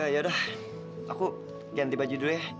yaudah aku ganti baju dulu ya